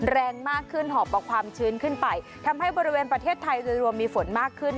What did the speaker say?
แรงมากขึ้นหอบเอาความชื้นขึ้นไปทำให้บริเวณประเทศไทยโดยรวมมีฝนมากขึ้น